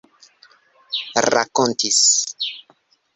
rakontis